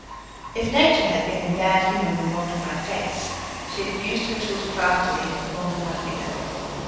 If Nature had been in bad humour when moulding my face, she had used her tools craftily in forming my figure.